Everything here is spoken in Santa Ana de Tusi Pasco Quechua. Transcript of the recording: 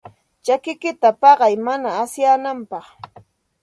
Chakikiyta paqay mana asyananpaq.